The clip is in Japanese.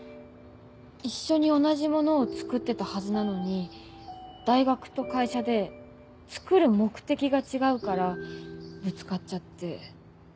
一緒に同じものを作ってたはずなのに大学と会社で作る目的が違うからぶつかっちゃって。